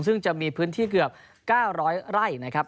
ซึ่งจะมีพื้นที่เกือบ๙๐๐ไร่